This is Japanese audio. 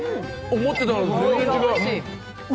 思ってたのと全然違う！